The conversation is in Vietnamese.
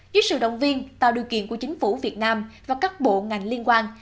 dưới sự động viên tạo điều kiện của chính phủ việt nam và các bộ ngành liên quan